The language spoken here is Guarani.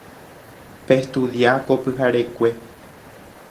Pestudia ko pyharekue.